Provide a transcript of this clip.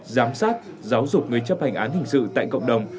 giám sát giáo dục người chấp hành án hình sự tại cộng đồng